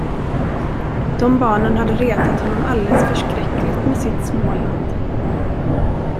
De barnen hade retat honom alldeles förskräckligt med sitt Småland.